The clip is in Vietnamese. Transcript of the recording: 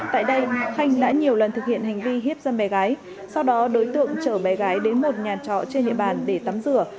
tại đây khanh đã nhiều lần thực hiện hành vi hiếp dâm bé gái sau đó đối tượng chở bé gái đến một nhà trọ trên địa bàn để tắm rửa